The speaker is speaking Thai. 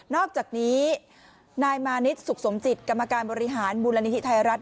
อกจากนี้นายมานิดสุขสมจิตกรรมการบริหารมูลนิธิไทยรัฐ